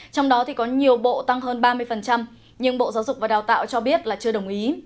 trong đó thì có nhiều bộ tăng hơn ba mươi nhưng bộ giáo dục và đào tạo cho biết là chưa đồng ý